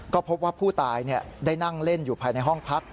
ก็พบว่าผู้ตายได้นั่งเล่นอยู่ภายในห้องพัก